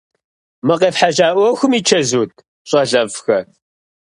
Мы къефхьэжьа ӏуэхум и чэзут, щӏалэфӏхэ?